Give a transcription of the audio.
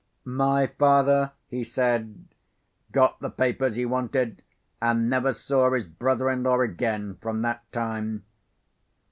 "My father," he said, "got the papers he wanted, and never saw his brother in law again from that time.